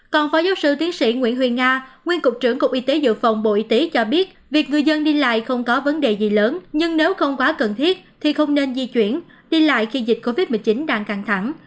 còn phó giáo sư tiến sĩ nguyễn huyền nga nguyên cục trưởng cục y tế dự phòng bộ y tế cho biết việc người dân đi lại không có vấn đề gì lớn nhưng nếu không quá cần thiết thì không nên di chuyển đi lại khi dịch covid một mươi chín đang căng thẳng